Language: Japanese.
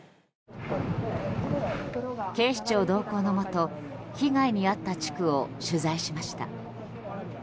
警視庁同行のもと被害に遭った地区を取材しました。